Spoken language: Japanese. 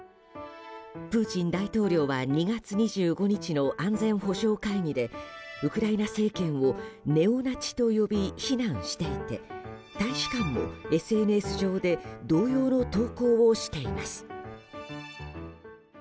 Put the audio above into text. プーチン大統領は２月２５日の安全保障会議でウクライナ政権をネオナチと呼び非難していて大使館もＳＮＳ上で同様の投稿をしています。